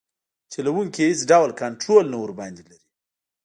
چلوونکي یې هیڅ ډول کنټرول نه ورباندې لري.